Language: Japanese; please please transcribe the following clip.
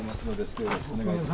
今日よろしくお願いいたします。